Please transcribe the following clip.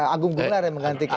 agung bukubelar yang menggantikan